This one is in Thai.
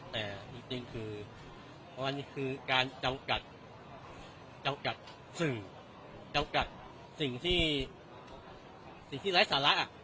แต่จริงคือมันคือการจำกัดจำกัดสื่อจำกัดสิ่งที่สิ่งที่ไร้สาระ